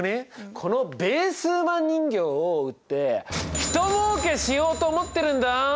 このベー数マン人形を売ってひともうけしようと思ってるんだ！